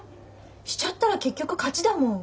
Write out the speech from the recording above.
しちゃったら結局勝ちだもん。